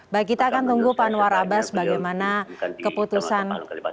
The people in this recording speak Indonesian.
baik kita akan tunggu pak anwar abbas bagaimana keputusan